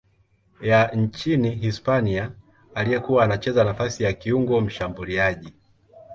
ya nchini Hispania aliyekuwa anacheza nafasi ya kiungo mshambuliaji.